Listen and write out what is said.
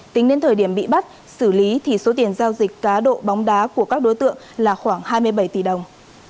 tính đến thời điểm bị bắt xử lý thì số tiền giao dịch cá độ bóng đá của các đối tượng là khoảng hai mươi bảy tỷ đồng